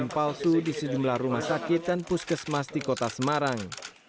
vaksin palsu di sejumlah rumah sakit dan puskesmas di kota semarang